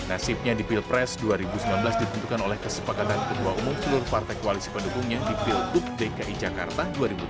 nasibnya di pilpres dua ribu sembilan belas ditentukan oleh kesepakatan ketua umum seluruh partai koalisi pendukungnya di pilgub dki jakarta dua ribu tujuh belas